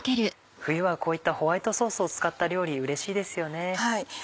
冬はこういったホワイトソースを使った料理うれしいですよね。